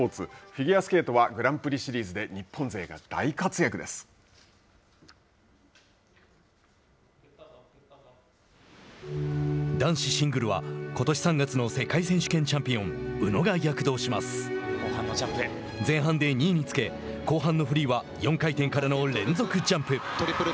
フィギュアスケートはグランプリシリーズで日本勢が男子シングルはことし３月の世界選手権チャンピオン前半で２位につけ後半のフリーは４回転からの連続ジャンプ。